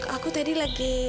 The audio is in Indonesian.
aku tadi lagi